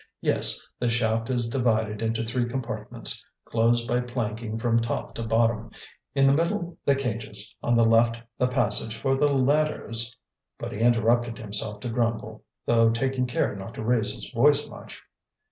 Yes, the shaft is divided into three compartments, closed by planking from top to bottom; in the middle the cages, on the left the passage for the ladders " But he interrupted himself to grumble, though taking care not to raise his voice much.